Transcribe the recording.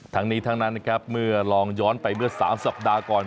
ทั้งนี้ทั้งนั้นนะครับเมื่อลองย้อนไปเมื่อ๓สัปดาห์ก่อน